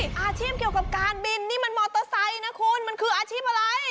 อาชีพเกี่ยวกับการบินนี่มันมอเตอร์ไซค์นะคุณมันคืออาชีพอะไร